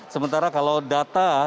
sementara kalau data